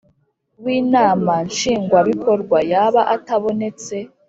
w Inama Nshingwabikorwa yaba atabonetse